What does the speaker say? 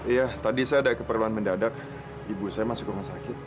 iya tadi saya ada keperluan mendadak ibu saya masuk rumah sakit